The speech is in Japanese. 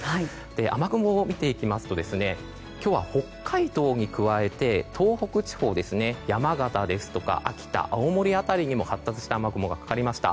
雨雲を見ていきますと今日は北海道に加えて東北地方、山形ですとか秋田、青森辺りにも発達した雨雲がかかりました。